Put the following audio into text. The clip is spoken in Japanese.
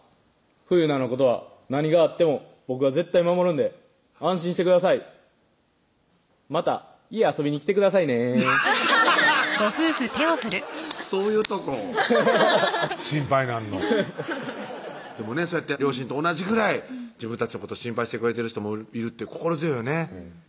冬菜のことは何があっても僕が絶対守るんで安心してくださいまた家遊びに来てくださいねそういうとこ心配なんのでもね両親と同じぐらい自分たちのこと心配してくれてる人もいるって心強いよね